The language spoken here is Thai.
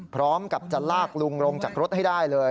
พร้อมกับจะลากลุงลงจากรถให้ได้เลย